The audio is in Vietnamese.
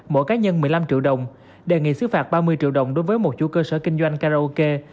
mỗi cá nhân một mươi năm triệu đồng đề nghị xứ phạt ba mươi triệu đồng đối với một chủ cơ sở kinh doanh karaoke